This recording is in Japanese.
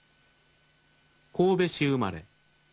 神戸市生まれ。